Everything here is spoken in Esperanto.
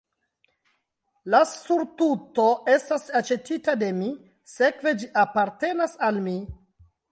La surtuto estas aĉetita de mi, sekve ĝi apartenas al mi.